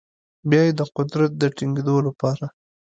بیا یې د قدرت د ټینګیدو لپاره